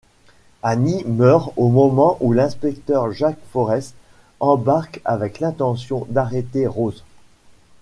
Annie meurt au moment où l'inspecteur Jack Forrest embarque avec l'intention d'arrêter Rose.